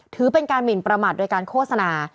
ถือเป็นการหมินประมาทโดยการโฆษณา